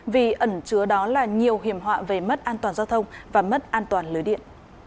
vì ẩn chứa đó là nhiều hiểm họa về mất an toàn giao thông và mất an toàn lưới điện